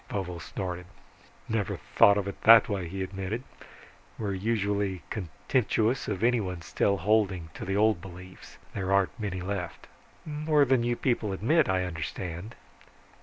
Vovo snorted. "Never thought of it that way," he admitted. "We're usually contemptuous of anyone still holding to the old beliefs. There aren't many left." "More than you people admit, I understand."